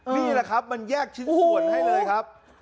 นี่แหละครับมันแยกชิ้นส่วนให้เลยครับ